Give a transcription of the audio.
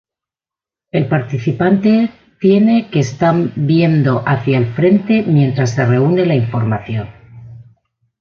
El participante tiene que están viendo hacia el frente mientras se reúne la información.